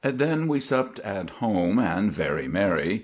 "Then we supped at home, and very merry.